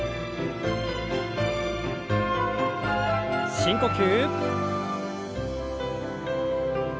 深呼吸。